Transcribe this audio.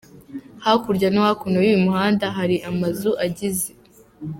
Hakurya no hakuno y’uyu muhanda hari amazu agize E.